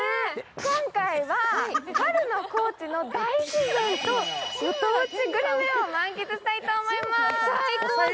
今回は春の高知の大自然とご当地グルメを満喫したいと思います。